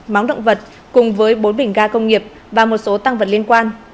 máu động vật cùng với bốn bình ga công nghiệp và một số tăng vật liên quan